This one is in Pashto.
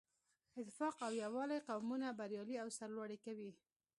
اتفاق او یووالی قومونه بریالي او سرلوړي کوي.